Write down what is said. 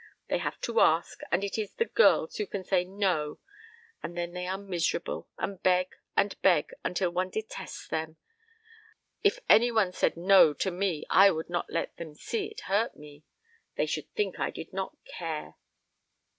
They have to ask, and it is the girls who can say 'No;' and then they are miserable, and beg and beg until one detests them. If any one said 'No' to me, I would not let them see it hurt me. They should think I did not care."